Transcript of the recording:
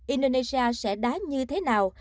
indonesia sẽ đá như thế nào